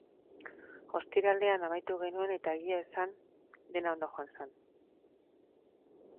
Ostiralean amaitu genuen eta, egia esan, dena ondo joan da.